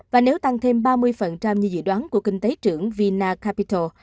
và nếu tăng thêm ba mươi như dự đoán của kinh tế trưởng vinacapital